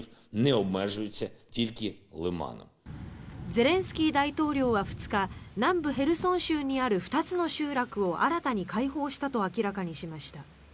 ゼレンスキー大統領は２日南部ヘルソン州にある２つの集落を新たに解放したと明らかにしました。